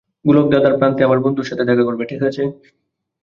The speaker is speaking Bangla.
গোলকধাঁধার প্রান্তে আমার বন্ধুর সাথে দেখা করবে, ঠিক আছে?